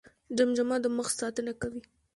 جمجمه د مغز ساتنه کوي